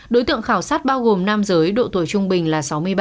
đối tượng khảo sát bao gồm nam giới độ tuổi trung bình là sáu mươi ba